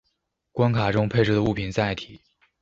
关卡中配置的物品载体。